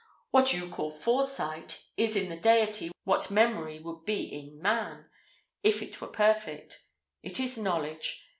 "What you call foresight, is in the Deity what memory would be in man, if it were perfect. It is knowledge.